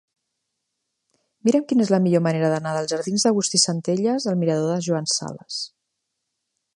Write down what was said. Mira'm quina és la millor manera d'anar dels jardins d'Agustí Centelles al mirador de Joan Sales.